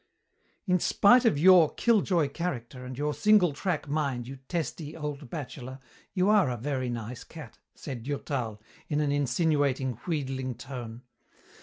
"In spite of your kill joy character and your single track mind you testy, old bachelor, you are a very nice cat," said Durtal, in an insinuating, wheedling tone.